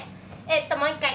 えっともう一回。